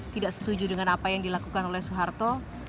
tidak setuju dengan apa yang dilakukan oleh soeharto